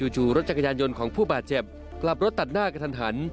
จู่รถจักรยานยนต์ของผู้บาดเจ็บกลับรถตัดหน้ากระทันหัน